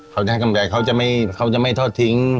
เขาได้กำไรเขาจะไม่ทอดทิ้ง